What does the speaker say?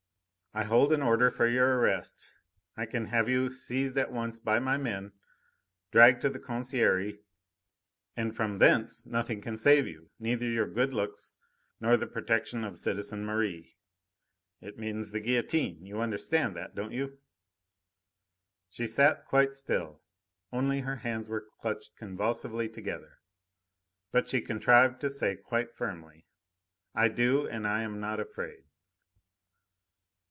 I hold an order for your arrest. I can have you seized at once by my men, dragged to the Conciergerie, and from thence nothing can save you neither your good looks nor the protection of citizen Merri. It means the guillotine. You understand that, don't you?" She sat quite still; only her hands were clutched convulsively together. But she contrived to say quite firmly: "I do, and I am not afraid."